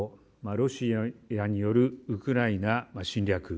ロシアによるウクライナ侵略